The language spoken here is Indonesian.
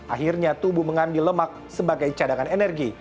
akhirnya tubuh mengambil lemak sebagai cadangan energi